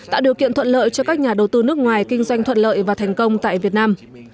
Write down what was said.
tạo điều kiện thuận lợi cho các nhà đầu tư nước ngoài kinh doanh thuận lợi và thành công tại việt nam